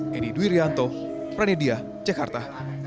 reni duwirianto pranidia jakarta